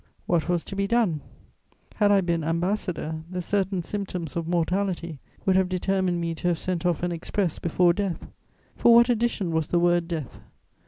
What was to be done?... Had I been ambassador, the certain symptoms of mortality would have determined me to have sent off an express before death. For what addition was the word death?